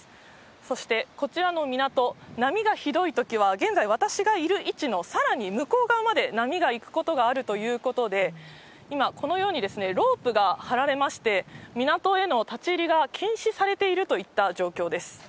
そして、こちらの港、波がひどいときは、現在、私がいる位置のさらに向こう側まで波がいくことがあるということで、今、このようにロープが張られまして、港への立ち入りが禁止されているといった状況です。